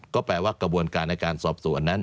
ก็แปลว่ากระบวนการในการสอบสวนนั้น